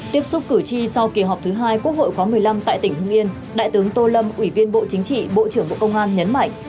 tiếp xúc cử tri sau kỳ họp thứ hai quốc hội khóa một mươi năm tại tỉnh hưng yên đại tướng tô lâm ủy viên bộ chính trị bộ trưởng bộ công an nhấn mạnh